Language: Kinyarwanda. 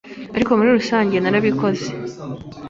ariko muri rusange narabikoze